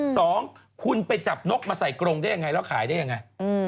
สองคุณไปจับนกมาใส่กรงได้ยังไงแล้วขายได้ยังไง